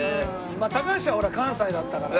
まあ高橋はほら関西だったからね。